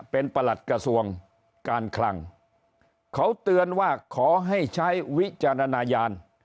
เป็นประหลัดกระทรวงการคลังเขาเตือนว่าขอให้ใช้วิจารณญาณ